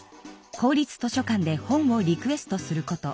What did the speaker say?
公立図書館で本をリクエストすること。